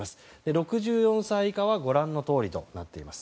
６４歳以下はご覧のとおりとなっています。